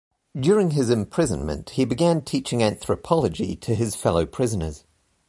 During his imprisonment, he began teaching anthropology to his fellow prisoners.